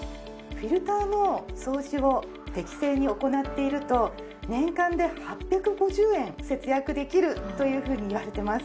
フィルターの掃除を適正に行っていると年間で８５０円節約できるというふうにいわれています。